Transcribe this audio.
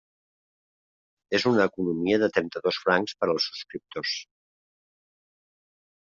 És una economia de trenta-dos francs per als subscriptors.